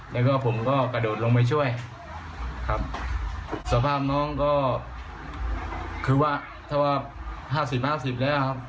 แล้วก็ผมก็กระโดดลงไปช่วยครับสภาพน้องก็คือว่าถ้าว่าห้าสิบห้าสิบแล้วครับ